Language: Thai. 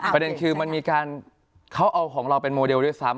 ประเด็นคือมันมีการเขาเอาของเราเป็นโมเดลด้วยซ้ำ